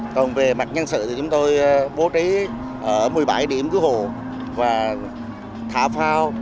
còn về mặt nhân sự thì chúng tôi bố trí ở một mươi bảy điểm cứu hồ và thả phao